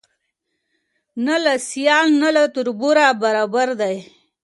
نه له سیال نه له تربوره برابر دی